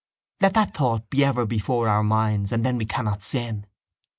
Let that thought be ever before our minds and then we cannot sin.